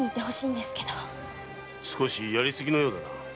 少しやりすぎのようだな。